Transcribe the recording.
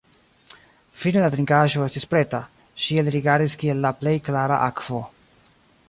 Fine la trinkaĵo estis preta; ŝi elrigardis kiel la plej klara akvo.